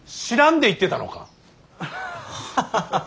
知らんで言ってたのか。